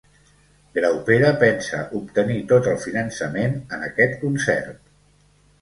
Graupera pensa obtenir tot el finançament en aquest concert